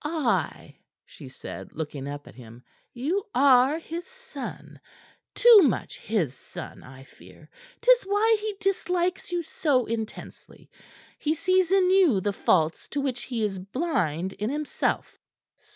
"Ay," she said, looking up at him. "You are his son; too much his son, I fear. 'Tis why he dislikes you so intensely. He sees in you the faults to which he is blind in himself."